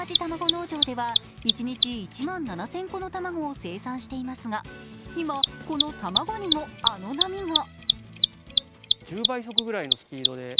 農場では一日１万７０００個の卵を生産していますが今、この卵にもあの波が。